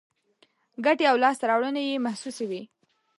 ګټې او لاسته راوړنې یې محسوسې وي.